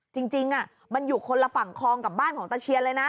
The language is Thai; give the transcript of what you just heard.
จริงมันอยู่คนละฝั่งคลองกับบ้านของตะเคียนเลยนะ